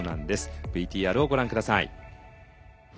ＶＴＲをご覧下さい。